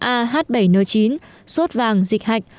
ah bảy n chín sốt vàng dịch hạch